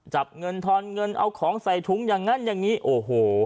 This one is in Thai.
จับเงินทอนเงินเอาของใส่ถุงอย่างนั้นอย่างนี้โอ้โห